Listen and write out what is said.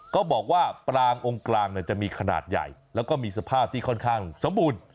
ก็บอกว่าปรางองค์กลางจะมีขนาดใหญ่แล้วก็มีสภาพที่ค่อนข้างสมบูรณ์